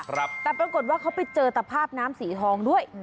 ครับแต่ปราบนครว่าเขาไปเจอศาษฐ์น้ำสีทองด้วย